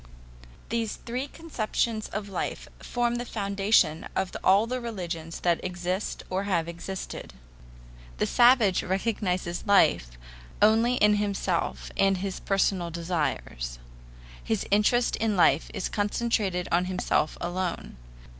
These three conceptions of life form the foundation of all the religious that exist or have existed. The savage recognizes life only in himself and his personal desires. His interest in life is concentrated on himself alone.